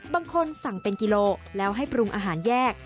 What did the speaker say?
บางคนสั่งเป็นกิโลแล้วให้ปรุงอาหารแยก